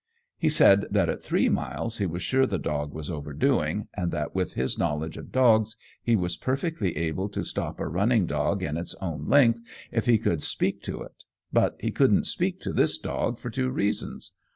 He said that at three miles he was sure the dog was overdoing, and that with his knowledge of dogs he was perfectly able to stop a running dog in its own length if he could speak to it, but he couldn't speak to this dog for two reasons.